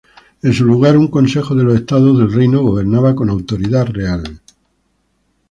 En su lugar, un consejo de los estados del reino gobernaba con autoridad real.